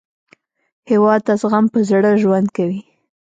هېواد د زغم په زړه ژوند کوي.